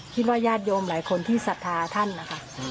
คิดว่ายาดโยมหลายคนที่สัทธาท่านนะคะ